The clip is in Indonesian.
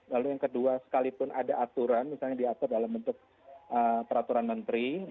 lalu yang kedua sekalipun ada aturan misalnya diatur dalam bentuk peraturan pemerintah nomor tujuh puluh satu